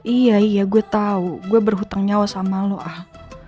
iya iya gue tau gue berhutang nyawa sama lu al